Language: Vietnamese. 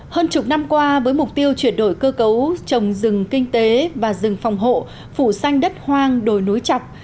hơn chục năm qua với mục tiêu chuyển đổi cơ cấu trồng rừng kinh tế và rừng phòng hộ phủ xanh đất hoang đồi núi chọc